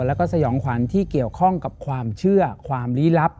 แล้วก็สยองขวัญที่เกี่ยวข้องกับความเชื่อความลี้ลับ